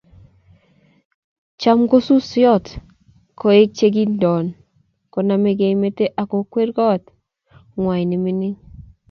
cham kusuisot koik che kinton kuname keimete akukwer koot ng'wany ne mining